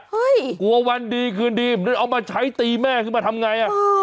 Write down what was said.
กลัววันดีคืนดีมันเอามาใช้ตีแม่ขึ้นมาทำไงอ่ะ